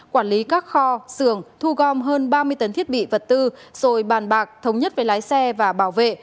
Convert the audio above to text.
quản lý các kho xưởng thu gom hơn ba mươi tấn thiết bị vật tư rồi bàn bạc thống nhất với lái xe và bảo vệ